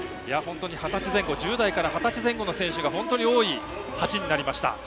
１０代から二十歳前後の選手が多い８人になりました。